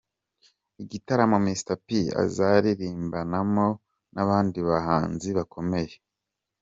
Igitaramo Mr P azaririmbanamo n'abandi bahanzi bakomeye.